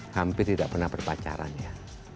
hampir tidak pernah berpacaran ya